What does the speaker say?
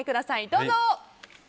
どうぞ。